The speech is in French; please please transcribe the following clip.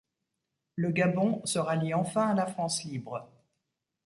Le Gabon se rallie enfin à la France Libre.